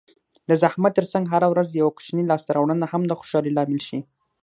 د زحمت ترڅنګ هره ورځ یوه کوچنۍ لاسته راوړنه هم د خوشحالۍ لامل شي.